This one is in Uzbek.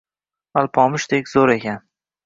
Alpomishdek zo‘r ekan.